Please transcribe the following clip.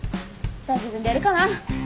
じゃあ自分でやるかな。